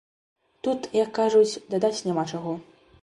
Тут, як кажуць, дадаць няма чаго.